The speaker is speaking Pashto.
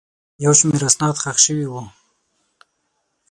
یو شمېر اسناد ښخ شوي وو.